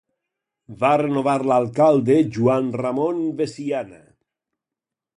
Va renovar l'alcalde Joan Ramon Veciana.